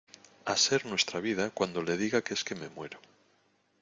a ser nuestra vida cuando le diga que es que me muero